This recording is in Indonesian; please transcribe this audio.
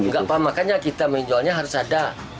tidak paham makanya kita menjualnya harus ada